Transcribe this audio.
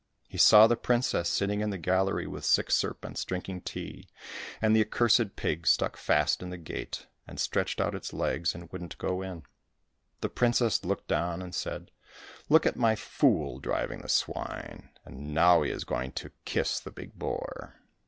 He saw the princess sitting in the gallery with six serpents drinking tea, and the accursed pig stuck fast in the gate, and stretched out its legs and wouldn't go in. The princess looked on and said, " Look at my fool driving the swine, and now he is going to kiss the big boar